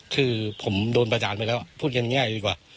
คือผมโดนประจานไปแล้วพูดกันง่ายดีกว่า